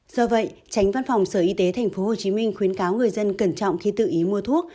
do vậy tránh văn phòng sở y tế tp hcm khuyến cáo người dân cẩn trọng khi tự ý mua thuốc